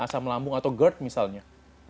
asam lambung atau gerd misalnya